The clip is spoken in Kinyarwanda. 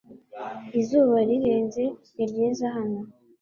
Izuba rirenze ni ryiza hano .